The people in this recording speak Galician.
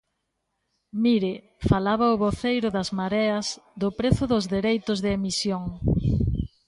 Mire, falaba o voceiro das Mareas do prezo dos dereitos de emisión.